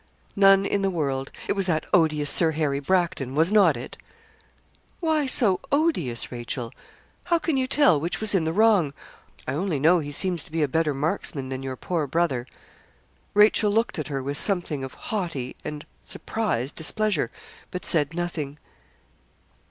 'None in the world. It was that odious Sir Harry Bracton was not it?' 'Why so odious, Rachel? How can you tell which was in the wrong? I only know he seems to be a better marksman than your poor brother.' Rachel looked at her with something of haughty and surprised displeasure, but said nothing.